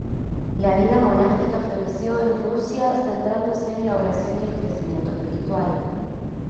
La vida monástica floreció en Rusia, centrándose en la oración y el crecimiento espiritual.